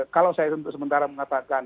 kalau saya sementara mengatakan